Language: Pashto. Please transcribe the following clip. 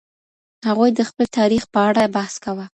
هغوی د خپل تاريخ په اړه بحث کاوه.